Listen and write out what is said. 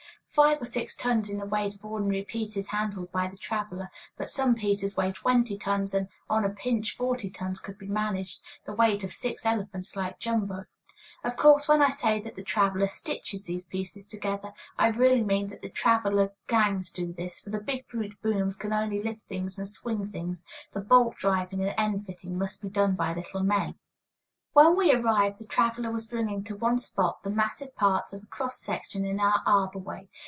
Five or six tons is the weight of ordinary pieces handled by the traveler, but some pieces weigh twenty tons, and, on a pinch, forty tons could be managed, the weight of six elephants like Jumbo. Of course, when I say that the traveler "stitches" these pieces together, I really mean that the "traveler" gangs do this, for the big brute booms can only lift things and swing things; the bolt driving and end fitting must be done by little men. [Illustration: "ITS MASCOT KITTEN, CURLED UP THERE BY THE ASH BOX."] When we arrived the "traveler" was bringing to one spot the massive parts of a cross section in our arbor way.